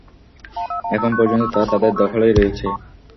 এখন পর্যন্ত তা তাদের দখলেই রয়েছে।